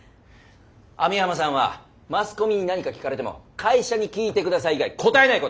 網浜さんはマスコミに何か聞かれても「会社に聞いて下さい」以外答えないこと。